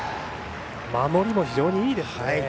守りも非常にいいですね。